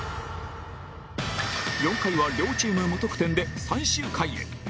４回は両チーム無得点で最終回へ